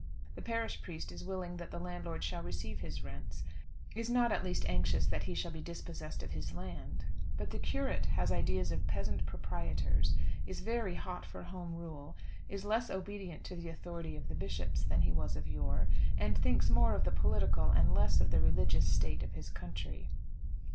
The parish priest is willing that the landlord shall receive his rents, is not at least anxious, that he shall be dispossessed of his land. But the curate has ideas of peasant proprietors; is very hot for Home Rule, is less obedient to the authority of the bishops than he was of yore, and thinks more of the political, and less of the religious state of his country.